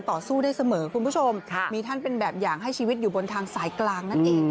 ต่อสู้ได้เสมอคุณผู้ชมมีท่านเป็นแบบอย่างให้ชีวิตอยู่บนทางสายกลางนั่นเอง